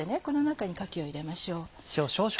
この中にかきを入れましょう。